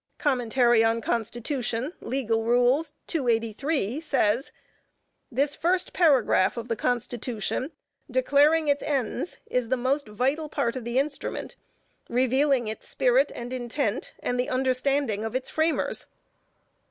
Com. on Con. Com. on Con. Legal Rules, 283, says: "This first paragraph of the Constitution, declaring its ends, is the most vital part of the instrument, revealing its spirit and intent, and the understanding of its framers."